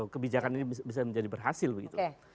kebijakan ini bisa menjadi berhasil begitu